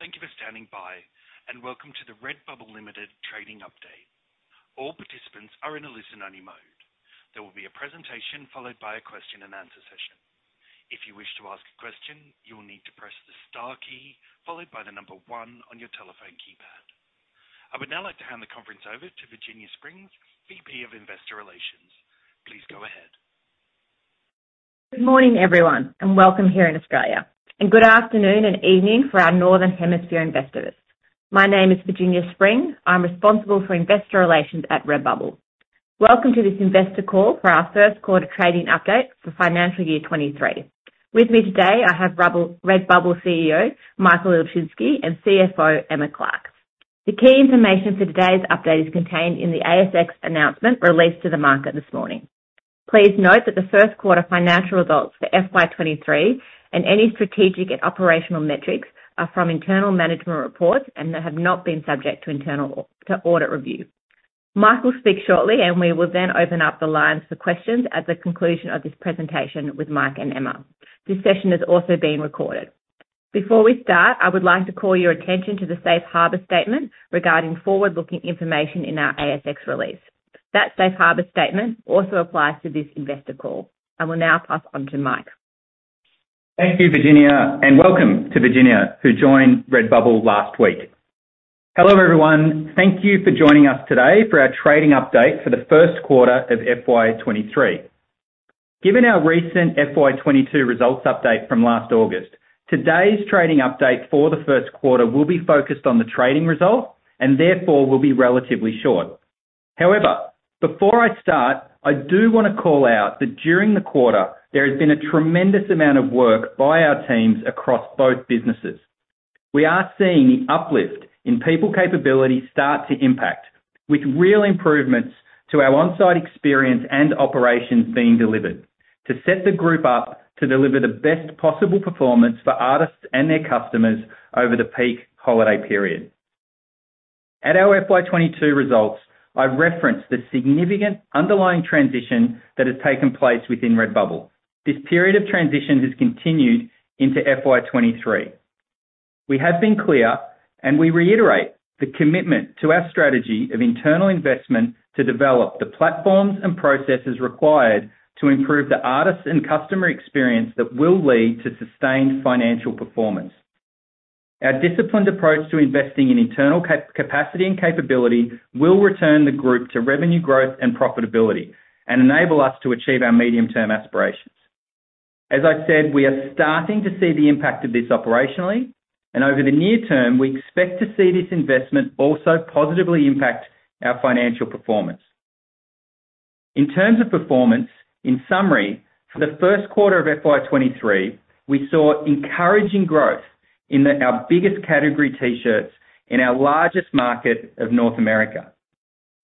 Thank you for standing by, and welcome to the Redbubble Limited trading update. All participants are in a listen-only mode. There will be a presentation followed by a question and answer session. If you wish to ask a question, you will need to press the star key followed by the number one on your telephone keypad. I would now like to hand the conference over to Virginia Spring, VP of Investor Relations. Please go ahead. Good morning, everyone, and welcome here in Australia. Good afternoon and evening for our northern hemisphere investors. My name is Virginia Spring. I'm responsible for investor relations at Redbubble. Welcome to this investor call for our first quarter trading update for financial year 23. With me today, I have Redbubble CEO, Michael Ilczynski, and CFO, Emma Clark. The key information for today's update is contained in the ASX announcement released to the market this morning. Please note that the first quarter financial results for FY 23 and any strategic and operational metrics are from internal management reports and they have not been subject to audit review. Michael will speak shortly, and we will then open up the lines for questions at the conclusion of this presentation with Mike and Emma. This session is also being recorded. Before we start, I would like to call your attention to the Safe Harbor statement regarding forward-looking information in our ASX release. That Safe Harbor statement also applies to this investor call. I will now pass on to Mike. Thank you, Virginia, and welcome to Virginia, who joined Redbubble last week. Hello, everyone. Thank you for joining us today for our trading update for the first quarter of FY23. Given our recent FY22 results update from last August, today's trading update for the first quarter will be focused on the trading results and therefore will be relatively short. However, before I start, I do wanna call out that during the quarter, there has been a tremendous amount of work by our teams across both businesses. We are seeing the uplift in people capability start to impact, with real improvements to our on-site experience and operations being delivered to set the group up to deliver the best possible performance for artists and their customers over the peak holiday period. At our FY22 results, I referenced the significant underlying transition that has taken place within Redbubble. This period of transition has continued into FY23. We have been clear, and we reiterate the commitment to our strategy of internal investment to develop the platforms and processes required to improve the artists and customer experience that will lead to sustained financial performance. Our disciplined approach to investing in internal ca-capacity and capability will return the group to revenue growth and profitability and enable us to achieve our medium-term aspirations. As I've said, we are starting to see the impact of this operationally, and over the near term, we expect to see this investment also positively impact our financial performance. In terms of performance, in summary, for the first quarter of FY23, we saw encouraging growth in our biggest category T-shirts in our largest market of North America.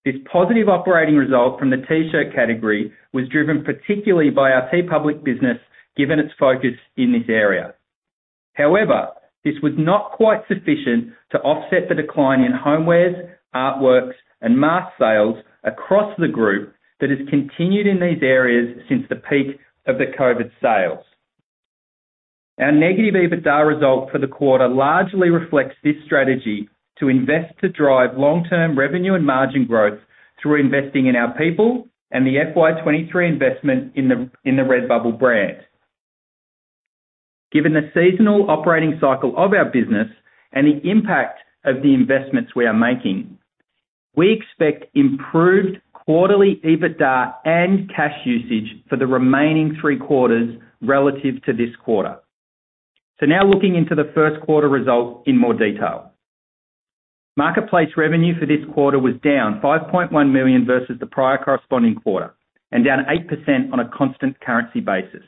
This positive operating result from the T-shirt category was driven particularly by our TeePublic business, given its focus in this area. However, this was not quite sufficient to offset the decline in homewares, artworks, and mask sales across the group that has continued in these areas since the peak of the COVID sales. Our negative EBITDA result for the quarter largely reflects this strategy to invest to drive long-term revenue and margin growth through investing in our people and the FY23 investment in the Redbubble brand. Given the seasonal operating cycle of our business and the impact of the investments we are making, we expect improved quarterly EBITDA and cash usage for the remaining three quarters relative to this quarter. Now looking into the first quarter result in more detail. Marketplace revenue for this quarter was down 5.1 million versus the prior corresponding quarter and down 8% on a constant currency basis.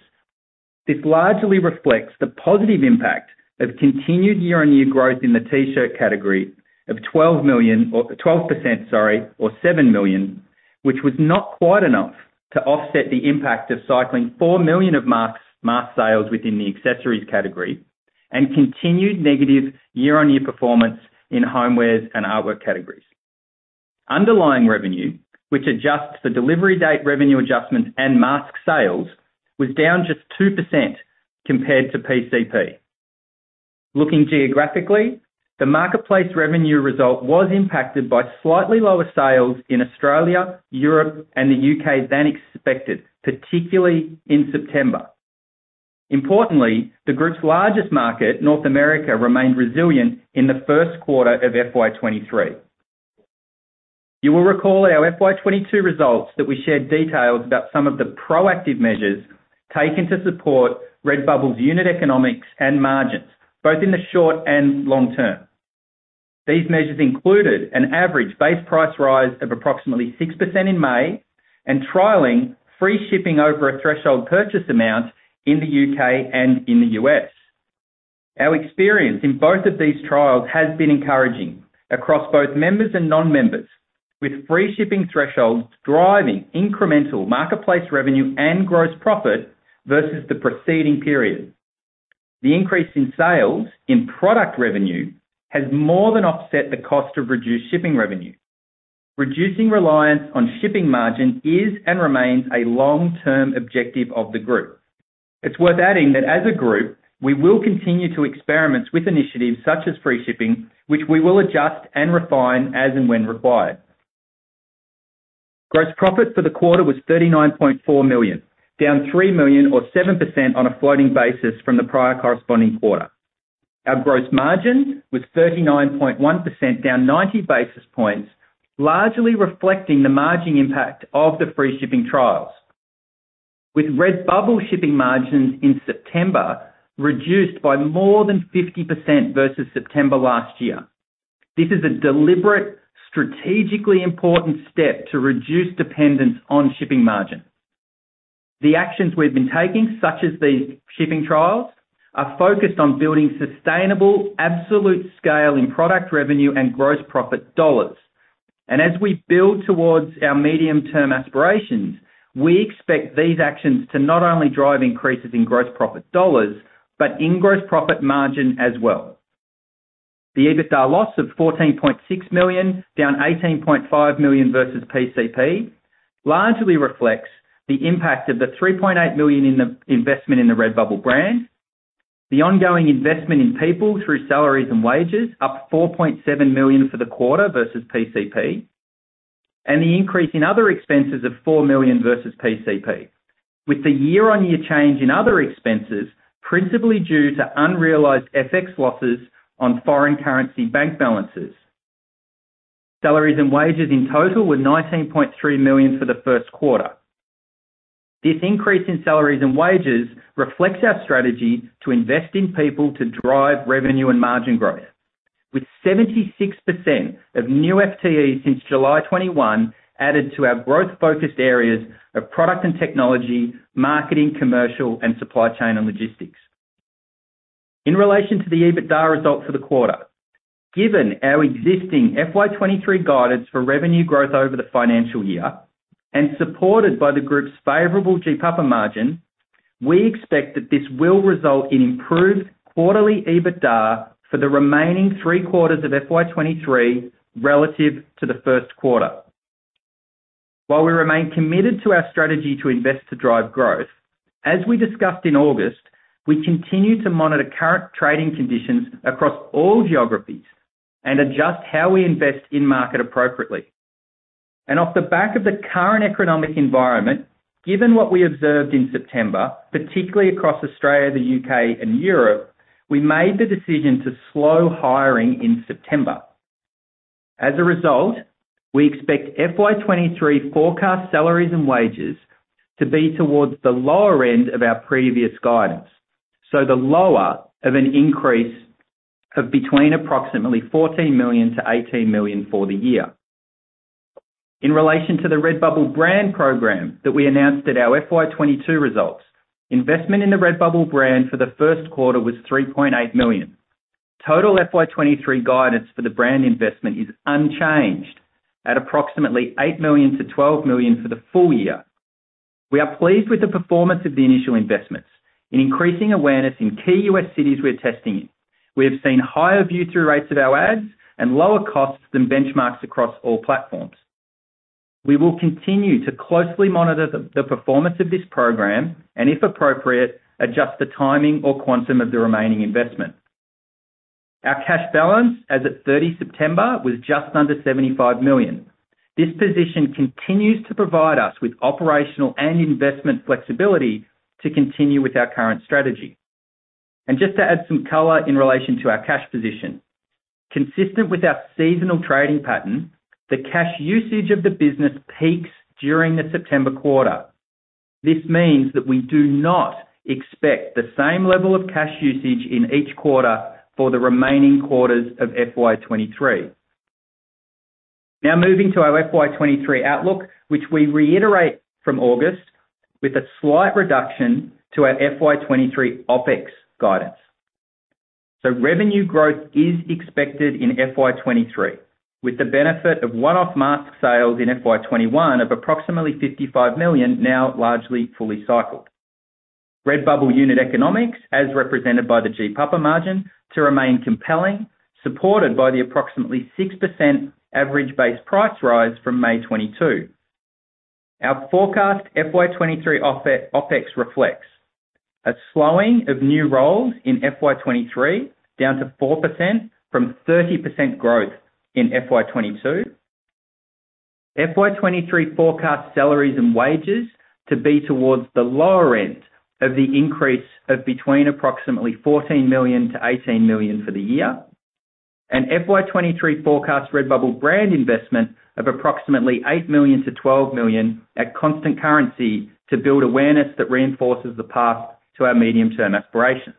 This largely reflects the positive impact of continued year-on-year growth in the T-shirt category of 12 million, or 12%, sorry, or 7 million, which was not quite enough to offset the impact of cycling 4 million of mask sales within the accessories category and continued negative year-on-year performance in homewares and artwork categories. Underlying revenue, which adjusts the delivery date revenue adjustments and mask sales, was down just 2% compared to PCP. Looking geographically, the marketplace revenue result was impacted by slightly lower sales in Australia, Europe, and the U.K. than expected, particularly in September. Importantly, the group's largest market, North America, remained resilient in the first quarter of FY23. You will recall our FY22 results that we shared details about some of the proactive measures taken to support Redbubble's unit economics and margins, both in the short and long term. These measures included an average base price rise of approximately 6% in May and trialing free shipping over a threshold purchase amount in the U.K. and in the U.S. Our experience in both of these trials has been encouraging across both members and non-members, with free shipping thresholds driving incremental marketplace revenue and gross profit versus the preceding period. The increase in sales in product revenue has more than offset the cost of reduced shipping revenue. Reducing reliance on shipping margin is and remains a long-term objective of the group. It's worth adding that as a group, we will continue to experiment with initiatives such as free shipping, which we will adjust and refine as and when required. Gross profit for the quarter was 39.4 million, down 3 million or 7% on a floating basis from the prior corresponding quarter. Our gross margin was 39.1%, down 90 basis points, largely reflecting the margin impact of the free shipping trials, with Redbubble shipping margins in September reduced by more than 50% versus September last year. This is a deliberate, strategically important step to reduce dependence on shipping margin. The actions we've been taking, such as these shipping trials, are focused on building sustainable absolute scale in product revenue and gross profit dollars. As we build towards our medium-term aspirations, we expect these actions to not only drive increases in gross profit dollars, but in gross profit margin as well. The EBITDA loss of 14.6 million, down 18.5 million versus PCP, largely reflects the impact of the 3.8 million in the investment in the Redbubble brand. The ongoing investment in people through salaries and wages, up 4.7 million for the quarter versus PCP, and the increase in other expenses of 4 million versus PCP, with the year-on-year change in other expenses principally due to unrealized FX losses on foreign currency bank balances. Salaries and wages in total were 19.3 million for the first quarter. This increase in salaries and wages reflects our strategy to invest in people to drive revenue and margin growth, with 76% of new FTEs since July 2021 added to our growth-focused areas of product and technology, marketing, commercial, and supply chain and logistics. In relation to the EBITDA results for the quarter, given our existing FY23 guidance for revenue growth over the financial year and supported by the group's favorable GPAPA margin, we expect that this will result in improved quarterly EBITDA for the remaining three quarters of FY23 relative to the first quarter. While we remain committed to our strategy to invest to drive growth, as we discussed in August, we continue to monitor current trading conditions across all geographies and adjust how we invest in market appropriately. Off the back of the current economic environment, given what we observed in September, particularly across Australia, the U.K., and Europe, we made the decision to slow hiring in September. As a result, we expect FY23 forecast salaries and wages to be towards the lower end of our previous guidance, so the lower of an increase of between approximately 14 million-18 million for the year. In relation to the Redbubble brand program that we announced at our FY22 results, investment in the Redbubble brand for the first quarter was 3.8 million. Total FY23 guidance for the brand investment is unchanged at approximately 8 million-12 million for the full year. We are pleased with the performance of the initial investments. In increasing awareness in key U.S. cities we're testing in, we have seen higher view-through rates of our ads and lower costs than benchmarks across all platforms. We will continue to closely monitor the performance of this program and, if appropriate, adjust the timing or quantum of the remaining investment. Our cash balance as of 30 September was just under 75 million. This position continues to provide us with operational and investment flexibility to continue with our current strategy. Just to add some color in relation to our cash position. Consistent with our seasonal trading pattern, the cash usage of the business peaks during the September quarter. This means that we do not expect the same level of cash usage in each quarter for the remaining quarters of FY23. Now moving to our FY23 outlook, which we reiterate from August with a slight reduction to our FY23 OpEx guidance. Revenue growth is expected in FY23 with the benefit of one-off mask sales in FY 2021 of approximately 55 million now largely fully cycled. Redbubble unit economics, as represented by the GPAPA margin, to remain compelling, supported by the approximately 6% average base price rise from May 2022. Our forecast FY23 OpEx reflects a slowing of new roles in FY23, down to 4% from 30% growth in FY22. FY23 forecast salaries and wages to be towards the lower end of the increase of between approximately 14 million-18 million for the year. FY23 forecasts Redbubble brand investment of approximately 8 million-12 million at constant currency to build awareness that reinforces the path to our medium-term aspirations.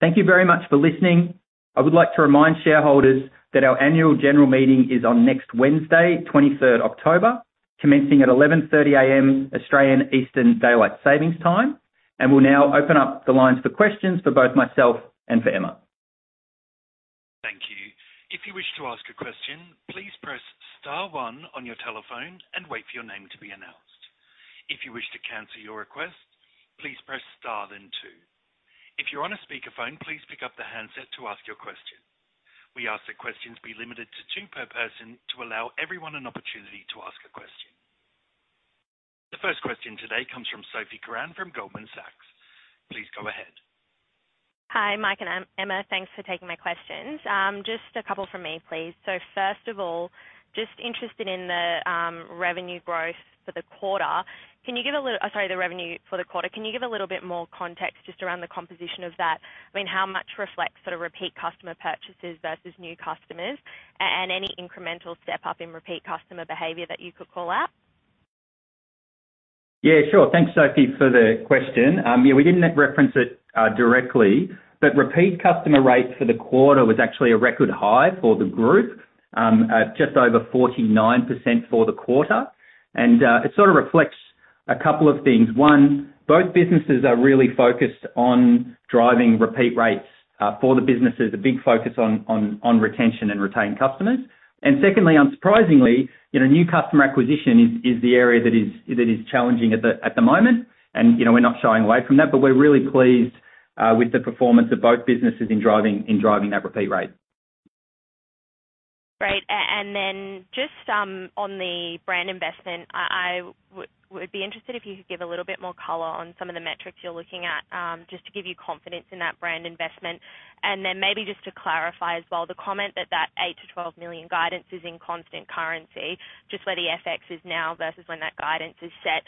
Thank you very much for listening. I would like to remind shareholders that our annual general meeting is on next Wednesday, twenty-third October, commencing at 11:30 A.M. Australian Eastern Daylight Saving Time, and will now open up the lines for questions for both myself and for Emma. Thank you. If you wish to ask a question, please press star one on your telephone and wait for your name to be announced. If you wish to cancel your request, please press star then two. If you're on a speakerphone, please pick up the handset to ask your question. We ask that questions be limited to two per person to allow everyone an opportunity to ask a question. The first question today comes from Sophie Carran from Goldman Sachs. Please go ahead. Hi, Mike and Emma. Thanks for taking my questions. Just a couple from me, please. First of all, just interested in the revenue for the quarter. Can you give a little bit more context just around the composition of that? I mean, how much reflects sort of repeat customer purchases versus new customers and any incremental step up in repeat customer behavior that you could call out? Yeah, sure. Thanks, Sophie, for the question. Yeah, we didn't reference it directly, but repeat customer rate for the quarter was actually a record high for the group at just over 49% for the quarter. It sort of reflects a couple of things. One, both businesses are really focused on driving repeat rates for the businesses. A big focus on retention and retained customers. Secondly, unsurprisingly, you know, new customer acquisition is the area that is challenging at the moment. You know, we're not shying away from that, but we're really pleased with the performance of both businesses in driving that repeat rate. Great. On the brand investment, I would be interested if you could give a little bit more color on some of the metrics you're looking at, just to give you confidence in that brand investment. To clarify as well, the comment that the 8 million-12 million guidance is in constant currency just where the FX is now versus when that guidance is set.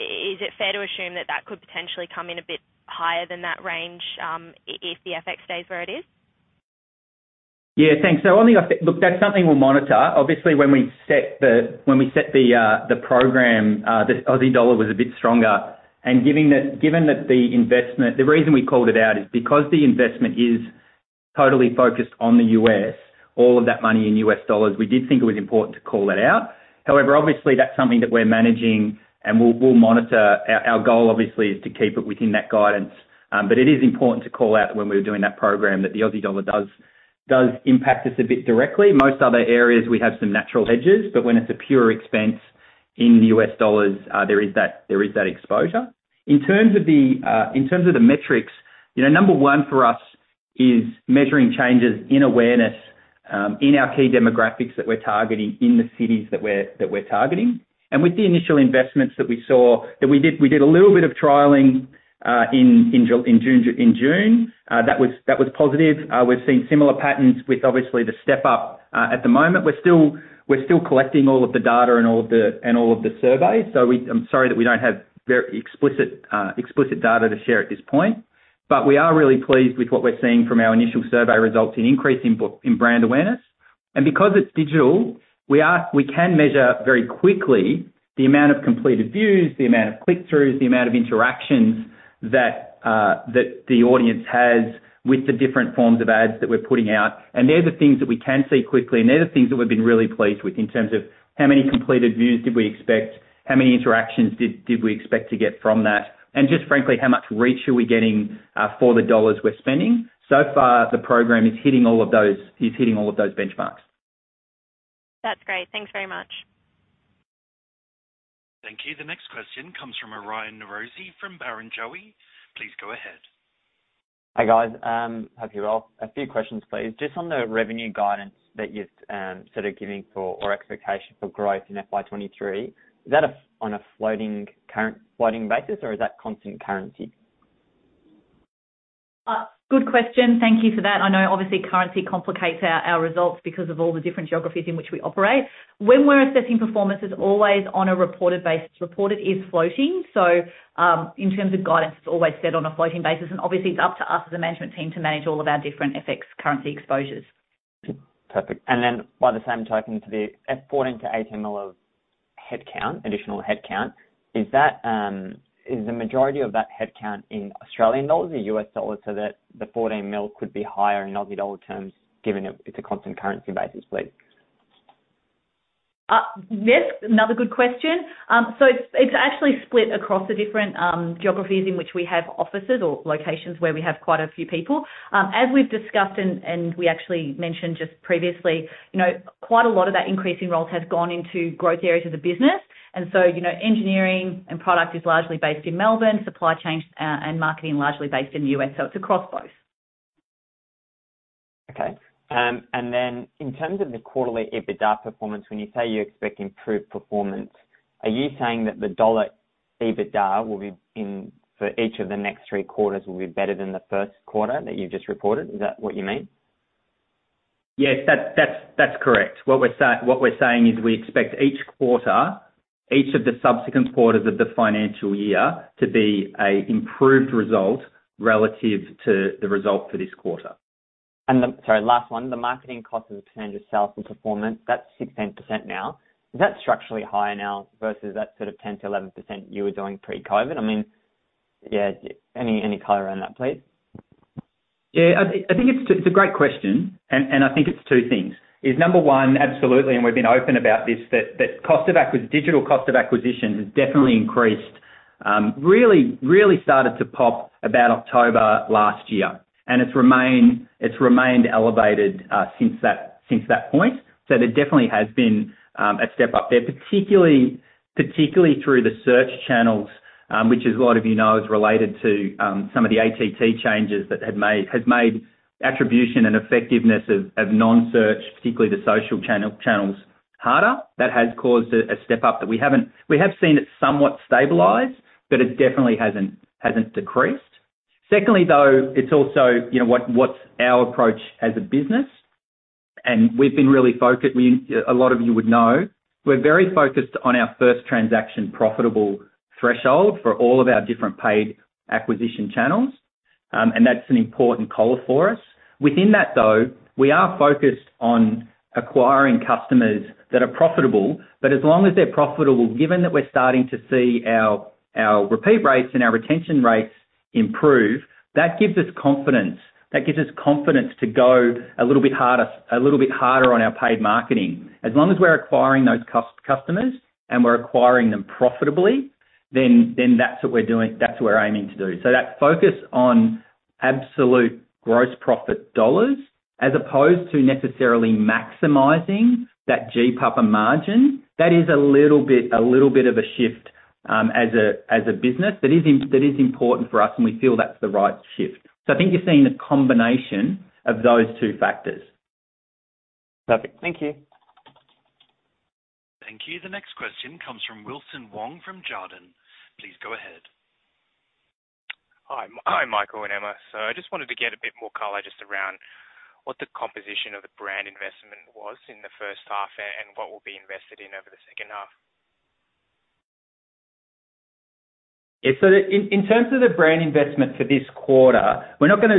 Is it fair to assume that could potentially come in a bit higher than that range, if the FX stays where it is? Yeah, thanks. On the FX. Look, that's something we'll monitor. Obviously, when we set the program, the Aussie dollar was a bit stronger. Given that the investment. The reason we called it out is because the investment is totally focused on the U.S., all of that money in U.S. dollars, we did think it was important to call that out. However, obviously, that's something that we're managing and we'll monitor. Our goal obviously is to keep it within that guidance. It is important to call out when we were doing that program that the Aussie dollar does impact us a bit directly. Most other areas we have some natural hedges, but when it's a pure expense in U.S. dollars, there is that exposure. In terms of the metrics, you know, number one for us is measuring changes in awareness in our key demographics that we're targeting in the cities that we're targeting. With the initial investments that we did, we did a little bit of trialing in June. That was positive. We've seen similar patterns with obviously the step up at the moment. We're still collecting all of the data and all of the surveys. I'm sorry that we don't have very explicit data to share at this point. But we are really pleased with what we're seeing from our initial survey results in an increase in brand awareness. Because it's digital, we can measure very quickly the amount of completed views, the amount of click-throughs, the amount of interactions that the audience has with the different forms of ads that we're putting out. They're the things that we can see quickly, and they're the things that we've been really pleased with in terms of how many completed views did we expect, how many interactions did we expect to get from that, and just frankly, how much reach are we getting for the dollars we're spending. So far, the program is hitting all of those, is hitting all of those benchmarks. That's great. Thanks very much. Thank you. The next question comes from Arian Neiron from Barrenjoey. Please go ahead. Hi, guys. Hope you're well. A few questions, please. Just on the revenue guidance that you've sort of given or expectation for growth in FY23. Is that on a floating currency basis, or is that constant currency? Good question. Thank you for that. I know obviously currency complicates our results because of all the different geographies in which we operate. When we're assessing performance is always on a reported basis. Reported is floating. In terms of guidance, it's always set on a floating basis, and obviously it's up to us as a management team to manage all of our different FX currency exposures. Perfect. By the same token, to that 14 million-18 million of headcount, additional headcount, is that the majority of that headcount in Australian dollars or U.S. dollars so that the 14 million could be higher in Aussie dollar terms, given it's a constant currency basis, please? Yes, another good question. So it's actually split across the different geographies in which we have offices or locations where we have quite a few people. As we've discussed and we actually mentioned just previously, you know, quite a lot of that increase in roles has gone into growth areas of the business. You know, engineering and product is largely based in Melbourne, supply chain and marketing largely based in the U.S., so it's across both. Okay. In terms of the quarterly EBITDA performance, when you say you expect improved performance, are you saying that the dollar EBITDA for each of the next three quarters will be better than the first quarter that you've just reported? Is that what you mean? Yes. That's correct. What we're saying is we expect each quarter, each of the subsequent quarters of the financial year to be an improved result relative to the result for this quarter. Sorry, last one. The marketing cost of sales and performance, that's 16% now. Is that structurally higher now versus that sort of 10%-11% you were doing pre-COVID? I mean, yeah, any color on that, please? Yeah. I think it's a great question, and I think it's two things. It's number one, absolutely, and we've been open about this, that digital cost of acquisition has definitely increased. It really started to pop about October last year, and it's remained elevated since that point. So there definitely has been a step up there, particularly through the search channels, which as a lot of you know is related to some of the ATT changes that has made attribution and effectiveness of non-search, particularly the social channels, harder. That has caused a step-up that we haven't. We have seen it somewhat stabilize, but it definitely hasn't decreased. Secondly, though, it's also, you know, what's our approach as a business, and we've been really focused. A lot of you would know, we're very focused on our first transaction profitable threshold for all of our different paid acquisition channels, and that's an important call for us. Within that, though, we are focused on acquiring customers that are profitable, but as long as they're profitable, given that we're starting to see our repeat rates and our retention rates improve, that gives us confidence. That gives us confidence to go a little bit harder on our paid marketing. As long as we're acquiring those customers, and we're acquiring them profitably, then that's what we're doing. That's what we're aiming to do. that focus on absolute gross profit dollars as opposed to necessarily maximizing that GPAPA margin, that is a little bit of a shift, as a business that is important for us, and we feel that's the right shift. I think you're seeing a combination of those two factors. Perfect. Thank you. Thank you. The next question comes from Wilson Wong from Jarden. Please go ahead. Hi. Hi, Michael and Emma. I just wanted to get a bit more color just around what the composition of the brand investment was in the first half and what will be invested in over the second half. Yeah. In terms of the brand investment for this quarter, we're not going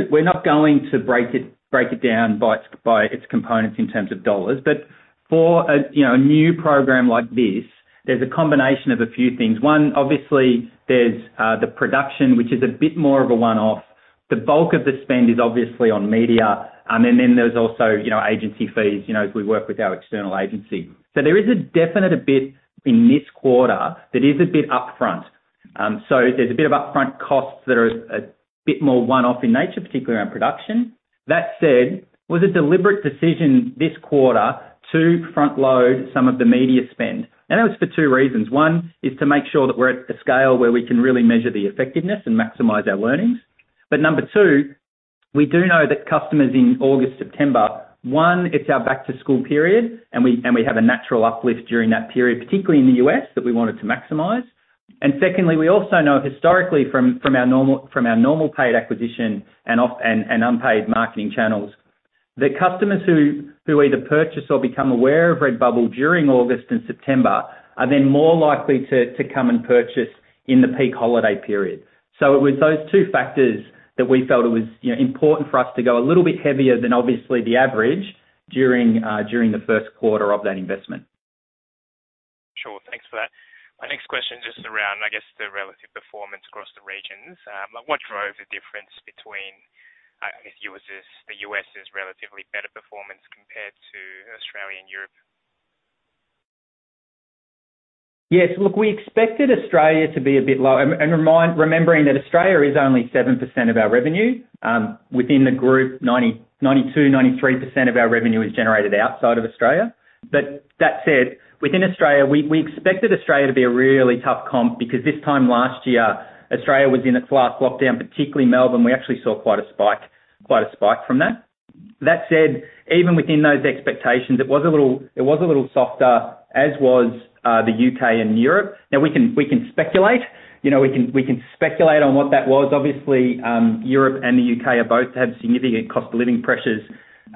to break it down by its components in terms of dollars. For a you know a new program like this, there's a combination of a few things. One, obviously there's the production, which is a bit more of a one-off. The bulk of the spend is obviously on media. Then there's also, you know, agency fees, you know, as we work with our external agency. There is a definite bit in this quarter that is a bit upfront. There's a bit of upfront costs that are a bit more one-off in nature, particularly around production. That said, it was a deliberate decision this quarter to front-load some of the media spend, and that was for two reasons. One is to make sure that we're at a scale where we can really measure the effectiveness and maximize our learnings. Number two, we do know that customers in August, September, one, it's our back-to-school period, and we have a natural uplift during that period, particularly in the U.S., that we wanted to maximize. Secondly, we also know historically from our normal paid acquisition and unpaid marketing channels, that customers who either purchase or become aware of Redbubble during August and September are then more likely to come and purchase in the peak holiday period. It was those two factors that we felt it was, you know, important for us to go a little bit heavier than obviously the average during the first quarter of that investment. Sure. Thanks for that. My next question just around, I guess, the relative performance across the regions. What drove the difference between, I guess, you would say the U.S.'s relatively better performance compared to Australia and Europe? Yes. Look, we expected Australia to be a bit low. Remembering that Australia is only 7% of our revenue. Within the group, 92%-93% of our revenue is generated outside of Australia. That said, within Australia, we expected Australia to be a really tough comp because this time last year Australia was in its last lockdown, particularly Melbourne. We actually saw quite a spike from that. That said, even within those expectations, it was a little softer, as was the U.K. and Europe. Now we can speculate, you know, on what that was. Obviously, Europe and the U.K. both have significant cost of living pressures.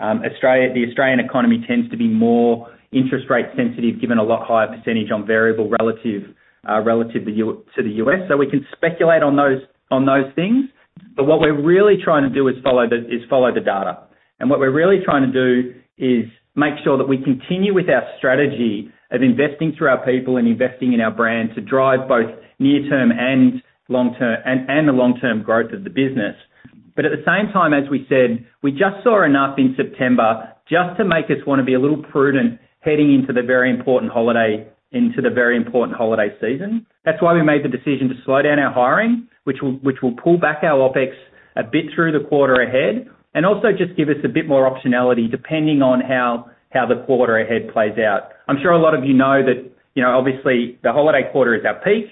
Australia. The Australian economy tends to be more interest rate sensitive, given a lot higher percentage on variable relative to the U.S.. We can speculate on those things. What we're really trying to do is follow the data. What we're really trying to do is make sure that we continue with our strategy of investing through our people and investing in our brand to drive both near-term and long-term growth of the business. At the same time, as we said, we just saw enough in September just to make us wanna be a little prudent heading into the very important holiday season. That's why we made the decision to slow down our hiring, which will pull back our OpEx a bit through the quarter ahead, and also just give us a bit more optionality depending on how the quarter ahead plays out. I'm sure a lot of you know that, you know, obviously the holiday quarter is our peak.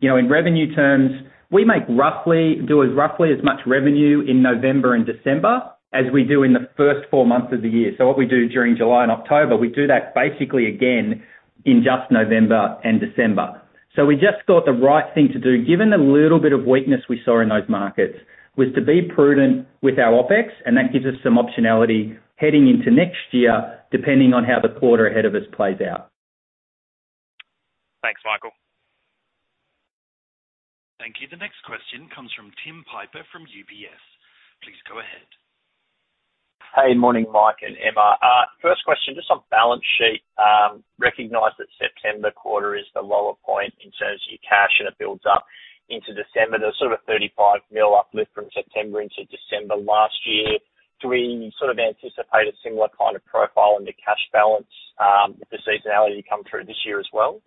You know, in revenue terms, we make roughly as much revenue in November and December as we do in the first four months of the year. What we do during July and October, we do that basically again in just November and December. We just thought the right thing to do, given the little bit of weakness we saw in those markets, was to be prudent with our OpEx, and that gives us some optionality heading into next year, depending on how the quarter ahead of us plays out. Thanks, Michael. Thank you. The next question comes from Tim Piper from UBS. Please go ahead. Hey, morning, Mike and Emma. First question, just on balance sheet. Recognize that September quarter is the lower point in terms of your cash, and it builds up into December. There's sort of a 35 million uplift from September into December last year. Do we sort of anticipate a similar kind of profile in the cash balance, the seasonality come through this year as well?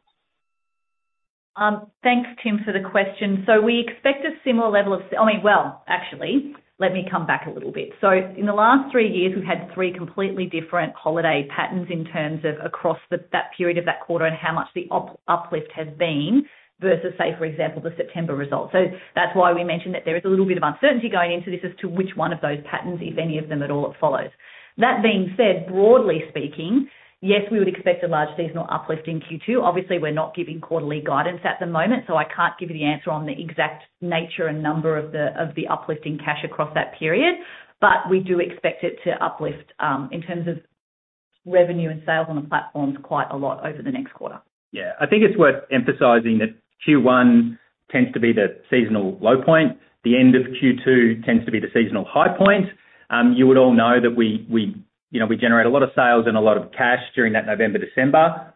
Thanks, Tim, for the question. We expect a similar level. I mean, well, actually, let me come back a little bit. In the last three years, we've had three completely different holiday patterns in terms of across that period of that quarter and how much the uplift has been versus, say, for example, the September results. That's why we mentioned that there is a little bit of uncertainty going into this as to which one of those patterns, if any of them at all, it follows. That being said, broadly speaking, yes, we would expect a large seasonal uplift in Q2. Obviously, we're not giving quarterly guidance at the moment, so I can't give you the answer on the exact nature and number of the uplift in cash across that period. We do expect it to uplift in terms of revenue and sales on the platforms quite a lot over the next quarter. Yeah. I think it's worth emphasizing that Q1 tends to be the seasonal low point. The end of Q2 tends to be the seasonal high point. You would all know that we, you know, we generate a lot of sales and a lot of cash during that November, December.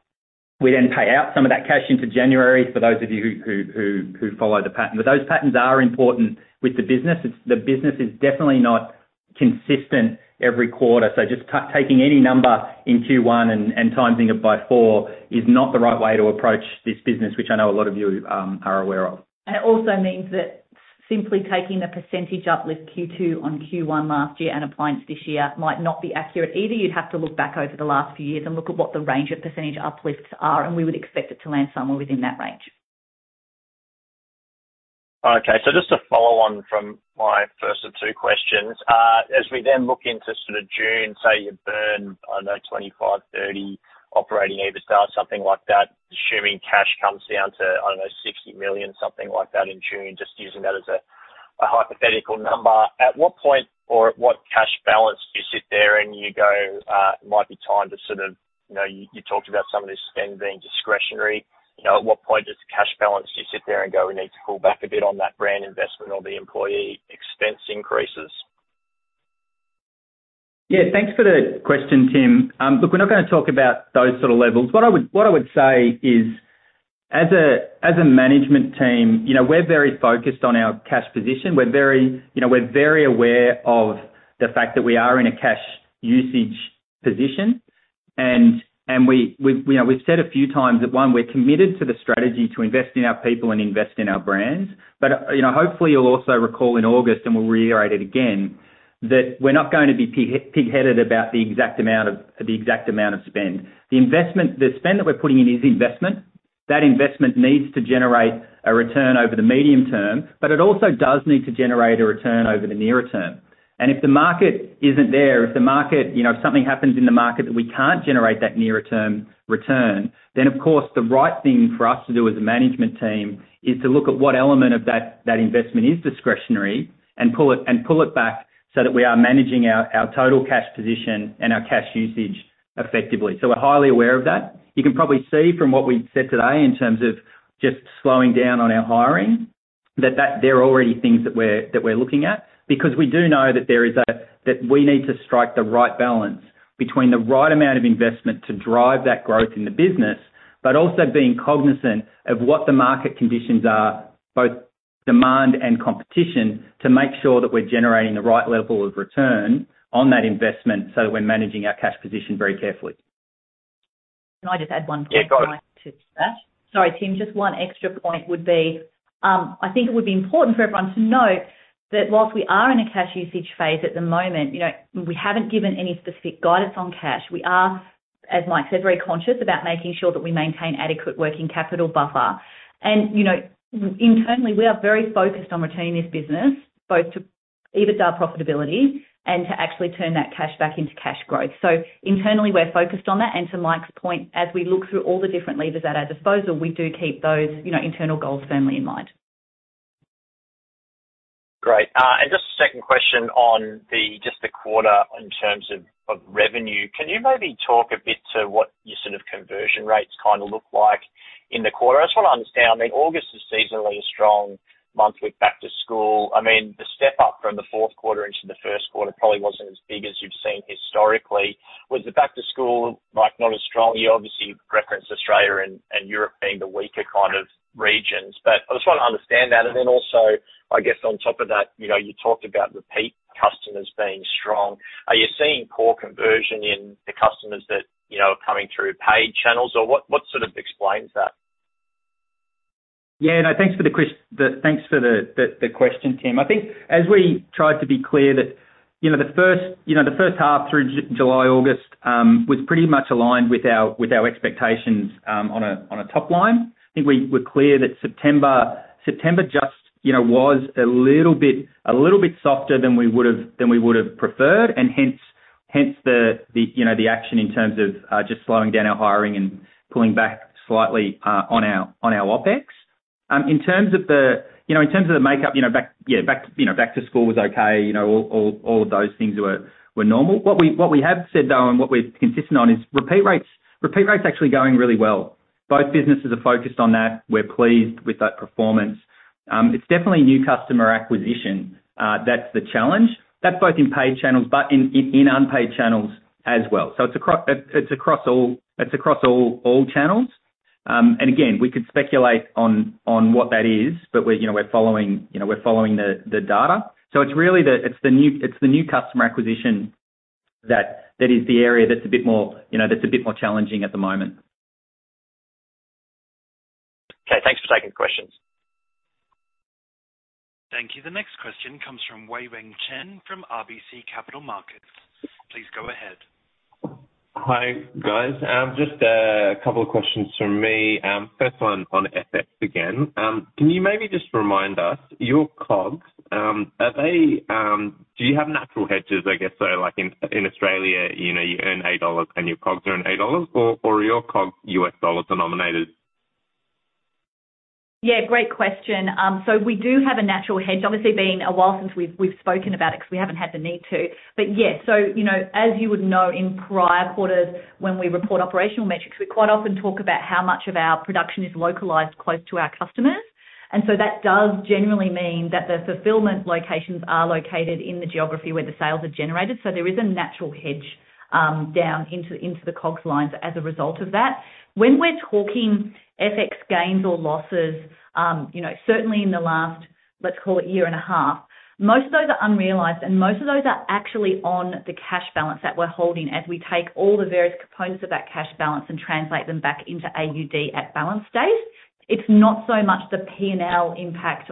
We then pay out some of that cash into January for those of you who follow the pattern. Those patterns are important with the business. The business is definitely not consistent every quarter. Just taking any number in Q1 and timing it by four is not the right way to approach this business, which I know a lot of you are aware of. It also means that simply taking a percentage uplift Q2 on Q1 last year and applying it to this year might not be accurate either. You'd have to look back over the last few years and look at what the range of percentage uplifts are, and we would expect it to land somewhere within that range. Okay. Just to follow on from my first of two questions. As we then look into sort of June, say you burn, I don't know, 25, 30 operating EBITDA, something like that. Assuming cash comes down to, I don't know, 60 million, something like that in June, just using that as a hypothetical number. At what point or at what cash balance do you sit there and you go, it might be time to sort of, you know, you talked about some of this spend being discretionary. You know, at what point does the cash balance, you sit there and go, we need to pull back a bit on that brand investment or the employee expense increases? Yeah. Thanks for the question, Tim. Look, we're not gonna talk about those sort of levels. What I would say is, as a management team, you know, we're very focused on our cash position. We're very, you know, we're very aware of the fact that we are in a cash usage position. We've said a few times that one, we're committed to the strategy to invest in our people and invest in our brands. You know, hopefully you'll also recall in August, and we'll reiterate it again, that we're not going to be pigheaded about the exact amount of spend. The spend that we're putting in is investment. That investment needs to generate a return over the medium term, but it also does need to generate a return over the nearer term. If the market isn't there, you know, if something happens in the market that we can't generate that nearer term return, then of course the right thing for us to do as a management team is to look at what element of that investment is discretionary and pull it back so that we are managing our total cash position and our cash usage effectively. We're highly aware of that. You can probably see from what we've said today in terms of just slowing down on our hiring, that there are already things that we're looking at because we do know that there is that we need to strike the right balance between the right amount of investment to drive that growth in the business, but also being cognizant of what the market conditions are, both demand and competition, to make sure that we're generating the right level of return on that investment, so that we're managing our cash position very carefully. Can I just add one point? Yeah, got it. To that? Sorry, Tim. Just one extra point would be, I think it would be important for everyone to note that while we are in a cash usage phase at the moment, you know, we haven't given any specific guidance on cash. We are, as Mike said, very conscious about making sure that we maintain adequate working capital buffer. You know, internally, we are very focused on returning this business both to EBITDA profitability and to actually turn that cash back into cash growth. Internally, we're focused on that. To Mike's point, as we look through all the different levers at our disposal, we do keep those, you know, internal goals firmly in mind. Great. Just a second question on the just the quarter in terms of of revenue. Can you maybe talk a bit to what your sort of conversion rates kinda look like in the quarter? I just wanna understand. I mean, August is seasonally a strong month with back to school. I mean, the step up from the fourth quarter into the first quarter probably wasn't as big as you've seen historically. Was the back to school, Mike, not as strong? You obviously referenced Australia and Europe being the weaker kind of regions, but I just want to understand that. Then also, I guess on top of that, you know, you talked about repeat customers being strong. Are you seeing poor conversion in the customers that, you know, are coming through paid channels, or what sort of explains that? Yeah, no, thanks for the question, Tim. I think as we tried to be clear that, you know, the first half through July, August, was pretty much aligned with our expectations on a top line. I think we were clear that September just, you know, was a little bit softer than we would've preferred. Hence, you know, the action in terms of just slowing down our hiring and pulling back slightly on our OpEx. In terms of the makeup, you know, back to school was okay. You know, all of those things were normal. What we have said, though, and what we're consistent on is repeat rates. Repeat rate's actually going really well. Both businesses are focused on that. We're pleased with that performance. It's definitely new customer acquisition, that's the challenge. That's both in paid channels, but in unpaid channels as well. It's across all channels. And again, we could speculate on what that is, but we're following, you know, the data. It's really the new customer acquisition that is the area that's a bit more, you know, challenging at the moment. Okay. Thanks for taking the questions. Thank you. The next question comes from Wei-Weng Chen from RBC Capital Markets. Please go ahead. Hi, guys. Just a couple of questions from me. First one on FX again. Can you maybe just remind us your COGS, are they do you have natural hedges, I guess so, like in Australia, you know, you earn 8 dollars and your COGS earn 8 dollars, or are your COGS U.S. dollar denominated? Yeah, great question. We do have a natural hedge, obviously being a while since we've spoken about it 'cause we haven't had the need to. Yeah, you know, as you would know, in prior quarters when we report operational metrics, we quite often talk about how much of our production is localized close to our customers. That does generally mean that the fulfillment locations are located in the geography where the sales are generated. There is a natural hedge down into the COGS lines as a result of that. When we're talking FX gains or losses, you know, certainly in the last, let's call it year and a half, most of those are unrealized, and most of those are actually on the cash balance that we're holding as we take all the various components of that cash balance and translate them back into AUD at balance date. It's not so much the P&L impact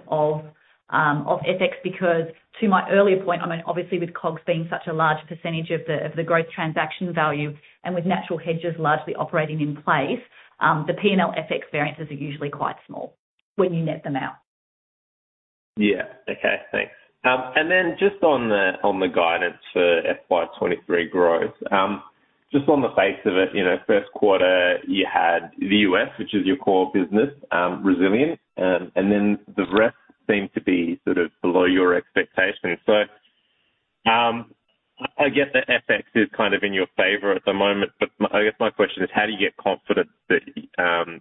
of FX because to my earlier point, I mean, obviously with COGS being such a large percentage of the gross transaction value and with natural hedges largely operating in place, the P&L FX variances are usually quite small when you net them out. Yeah. Okay. Thanks. And then just on the guidance for FY23 growth. Just on the face of it, you know, first quarter you had the U.S., which is your core business, resilient, and then the rest seemed to be sort of below your expectations. I guess the FX is kind of in your favor at the moment, but I guess my question is how do you get confidence that,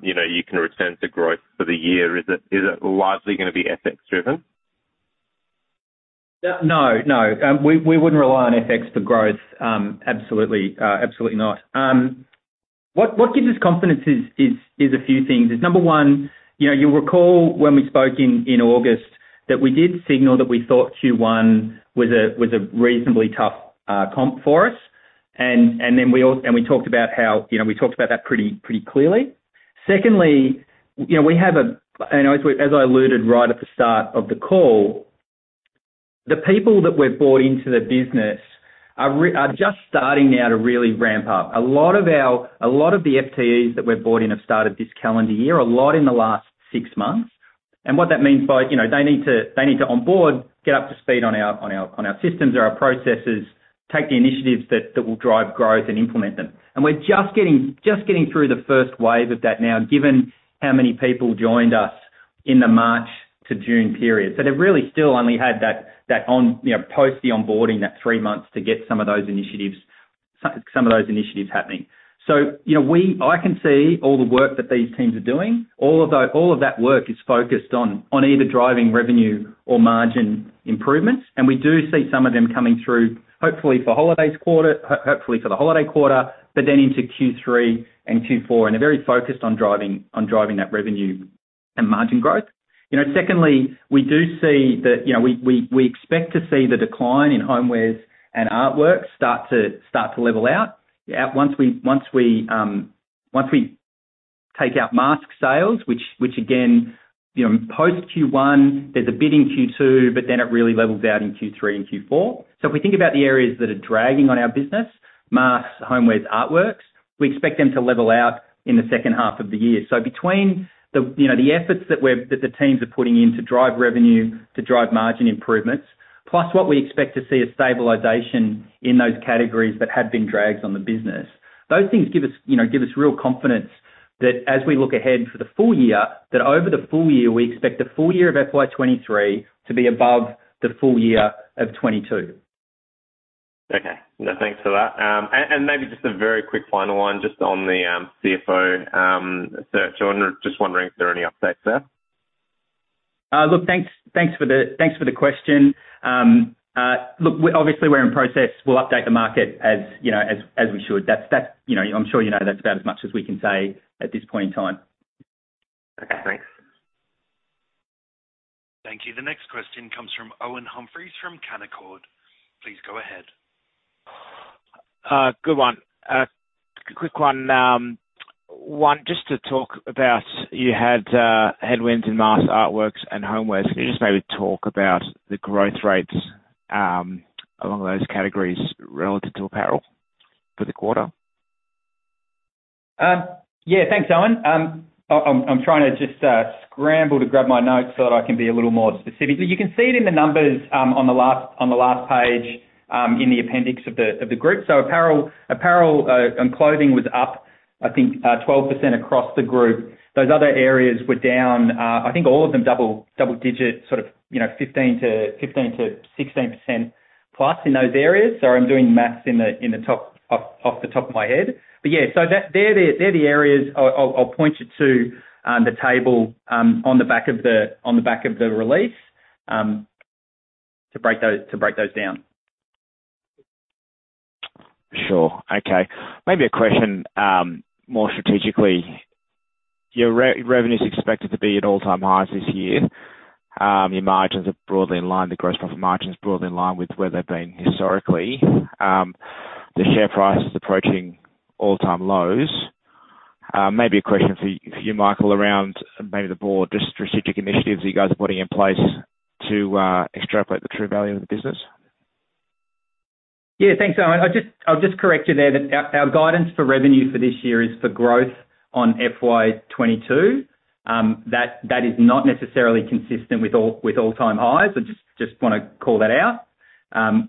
you know, you can return to growth for the year? Is it largely gonna be FX driven? No, no. We wouldn't rely on FX for growth. Absolutely, absolutely not. What gives us confidence is a few things. Number one, you know, you'll recall when we spoke in August that we did signal that we thought Q1 was a reasonably tough comp for us. We talked about how, you know, we talked about that pretty clearly. Secondly, you know, as I alluded right at the start of the call, the people that we've brought into the business are just starting now to really ramp up. A lot of the FTEs that we've brought in have started this calendar year, a lot in the last six months. What that means by... You know, they need to onboard, get up to speed on our systems or our processes, take the initiatives that will drive growth and implement them. We're just getting through the first wave of that now, given how many people joined us in the March to June period. They've really still only had that, you know, post the onboarding, that three months to get some of those initiatives happening. You know, I can see all the work that these teams are doing. All of that work is focused on either driving revenue or margin improvements. We do see some of them coming through, hopefully for the holiday quarter, but then into Q3 and Q4. They're very focused on driving that revenue and margin growth. You know, secondly, we expect to see the decline in homewares and artwork start to level out. Once we take out mask sales, which again, you know, post Q1, there's a bit in Q2, but then it really levels out in Q3 and Q4. If we think about the areas that are dragging on our business, masks, homewares, artworks, we expect them to level out in the second half of the year. Between the, you know, the efforts that the teams are putting in to drive revenue to drive margin improvements, plus what we expect to see a stabilization in those categories that have been drags on the business, those things give us real confidence that as we look ahead for the full year, that over the full year, we expect the full year of FY23 to be above the full year of FY22. Okay. No, thanks for that. Maybe just a very quick final one just on the CFO search. Just wondering if there are any updates there. Look, thanks for the question. Look, obviously, we're in process. We'll update the market as you know, as we should. That's, you know, I'm sure you know that's about as much as we can say at this point in time. Okay. Thanks. Thank you. The next question comes from Owen Humphries from Canaccord. Please go ahead. Good one. Quick one. Just to talk about you had headwinds in masks, artworks and homewares. Can you just maybe talk about the growth rates in those categories relative to apparel for the quarter? Yeah. Thanks, Owen. I'm trying to just scramble to grab my notes so that I can be a little more specific. You can see it in the numbers on the last page in the appendix of the group. Apparel and clothing was up, I think, 12% across the group. Those other areas were down, I think all of them double digit, sort of, you know, 15%-16% plus in those areas. Sorry, I'm doing math off the top of my head. Yeah, so that they're the areas. I'll point you to the table on the back of the release to break those down. Sure. Okay. Maybe a question, more strategically. Your revenue is expected to be at all-time highs this year. Your margins are broadly in line, the gross profit margin is broadly in line with where they've been historically. The share price is approaching all-time lows. Maybe a question for you, Michael, around maybe the board, just strategic initiatives that you guys are putting in place to extrapolate the true value of the business. Yeah, thanks, Owen. I'll just correct you there that our guidance for revenue for this year is for growth on FY22. That is not necessarily consistent with all-time highs. I just wanna call that out.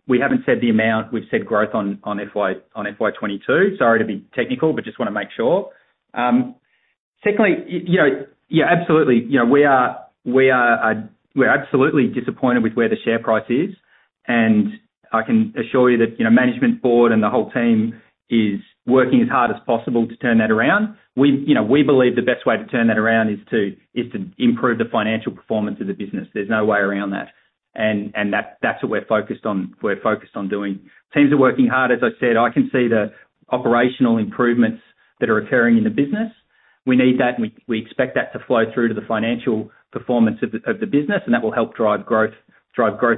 We haven't said the amount, we've said growth on FY22. Sorry to be technical, but just wanna make sure. Secondly, you know, yeah, absolutely. You know, we're absolutely disappointed with where the share price is, and I can assure you that, you know, management board and the whole team is working as hard as possible to turn that around. We, you know, we believe the best way to turn that around is to improve the financial performance of the business. There's no way around that. That's what we're focused on, we're focused on doing. Teams are working hard. As I said, I can see the operational improvements that are occurring in the business. We need that, and we expect that to flow through to the financial performance of the business, and that will help drive growth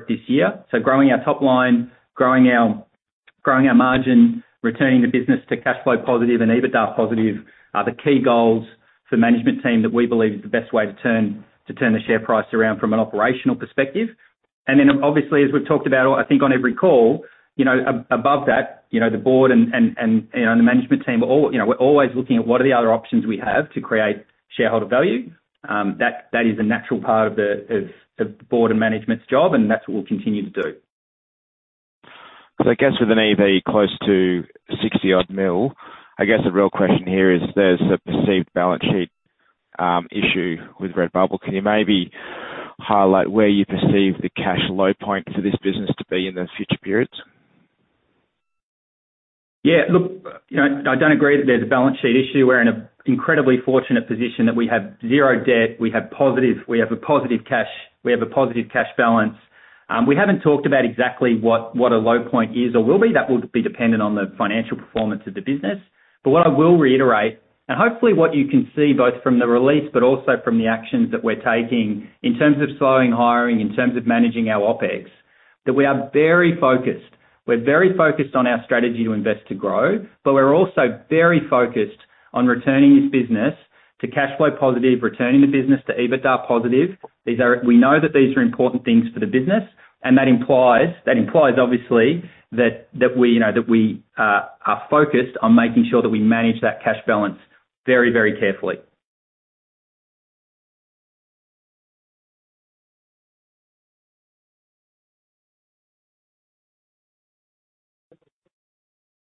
this year. Growing our top line, growing our margin, returning the business to cash flow positive and EBITDA positive are the key goals for management team that we believe is the best way to turn the share price around from an operational perspective. Then obviously, as we've talked about, I think on every call, you know, above that, you know, the board and the management team, all... You know, we're always looking at what are the other options we have to create shareholder value. That is a natural part of the board and management's job, and that's what we'll continue to do. I guess with an EV close to 60-odd million, I guess the real question here is there's a perceived balance sheet issue with Redbubble. Can you maybe highlight where you perceive the cash low point for this business to be in the future periods? Yeah. Look, you know, I don't agree that there's a balance sheet issue. We're in an incredibly fortunate position that we have zero debt, we have a positive cash balance. We haven't talked about exactly what a low point is or will be. That would be dependent on the financial performance of the business. What I will reiterate, and hopefully what you can see both from the release but also from the actions that we're taking in terms of slowing hiring, in terms of managing our OpEx, that we are very focused. We're very focused on our strategy to invest to grow, but we're also very focused on returning this business to cash flow positive, returning the business to EBITDA positive. We know that these are important things for the business, and that implies obviously that we, you know, that we are focused on making sure that we manage that cash balance very, very carefully.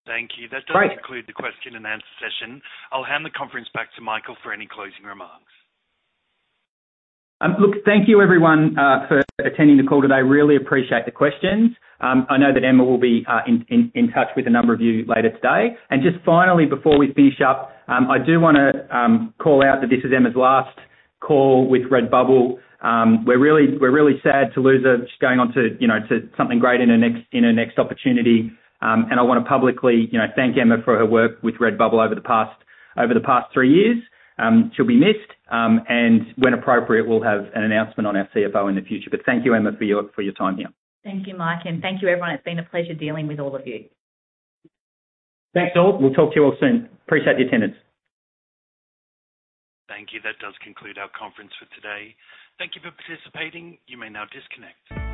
Thank you. Great. That does conclude the question and answer session. I'll hand the conference back to Michael for any closing remarks. Look, thank you everyone for attending the call today. Really appreciate the questions. I know that Emma will be in touch with a number of you later today. Just finally, before we finish up, I do wanna call out that this is Emma's last call with Redbubble. We're really sad to lose her. She's going on to, you know, to something great in her next opportunity. I wanna publicly, you know, thank Emma for her work with Redbubble over the past three years. She'll be missed. When appropriate, we'll have an announcement on our CFO in the future. Thank you, Emma, for your time here. Thank you, Mike, and thank you everyone. It's been a pleasure dealing with all of you. Thanks all. We'll talk to you all soon. Appreciate your attendance. Thank you. That does conclude our conference for today. Thank you for participating. You may now disconnect.